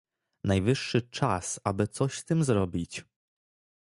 Najwyższy czas, aby coś z tym zrobić